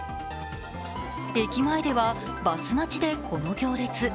駅前ではバス待ちでこの行列。